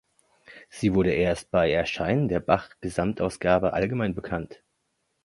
Sie wurde erst bei Erscheinen der Bach-Gesamtausgabe allgemein bekannt.